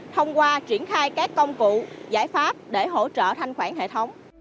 thông qua triển khai các công cụ giải pháp để hỗ trợ thanh khoản hệ thống